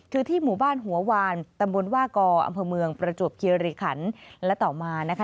คือที่หมู่บ้านหัววานตำบลว่ากออำเภอเมืองประจวบคิริขันและต่อมานะคะ